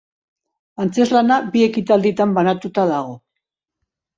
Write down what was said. Antzezlana bi ekitalditan banatua dago.